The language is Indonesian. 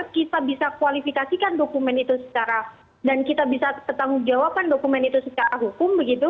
kita bisa kualifikasikan dokumen itu secara dan kita bisa bertanggung jawabkan dokumen itu secara hukum begitu